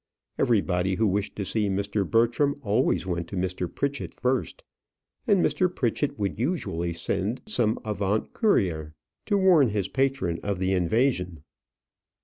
Everybody who wished to see Mr. Bertram always went to Mr. Pritchett first, and Mr. Pritchett would usually send some avant courier to warn his patron of the invasion.